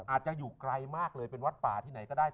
อาจจะอยู่ไกลมากเลยเป็นวัดป่าที่ไหนก็ได้